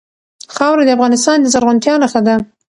خاوره د افغانستان د زرغونتیا نښه ده.